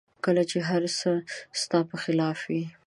کله چې هر څه ستا په خلاف وي